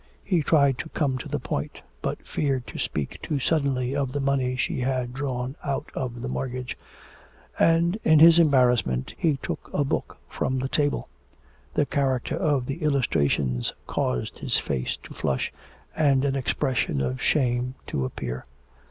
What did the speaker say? He tried to come to the point, but feared to speak too suddenly of the money she had drawn out of the mortgage, and, in his embarrassment, he took a book from the table. The character of the illustrations caused his face to flush, and an expression of shame to appear.